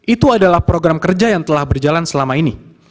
itu adalah program kerja yang telah berjalan selama ini